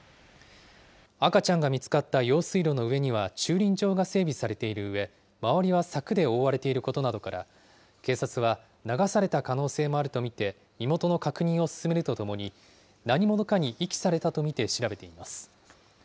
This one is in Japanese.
赤ちゃんが見つかった用水路の上には、駐輪場が整備されているうえ、周りは柵で覆われていることなどから、警察は流された可能性もあると見て、身元の確認を進めるとともに、何者かに遺棄されたと見て調べています。